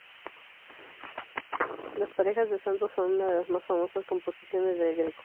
Las parejas de santos son una de las más famosas composiciones de El Greco.